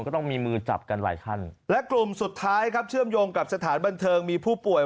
ก็ต้องมีมือจับกันหลายขั้นและกลุ่มสุดท้ายครับเชื่อมโยงกับสถานบันเทิงมีผู้ป่วย